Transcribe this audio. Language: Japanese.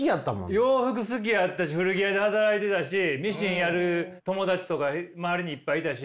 洋服好きやったし古着屋で働いてたしミシンやる友達とか周りにいっぱいいたし。